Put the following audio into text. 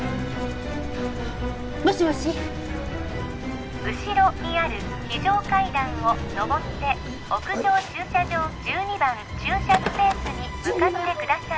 もしもし後ろにある非常階段を上って屋上駐車場１２番駐車スペースに向かってください